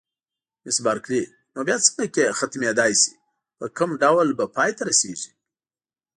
مس بارکلي: نو بیا څنګه ختمېدای شي، په کوم ډول به پای ته رسېږي؟